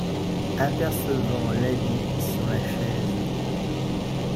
Apercevant l’habit sur la chaise.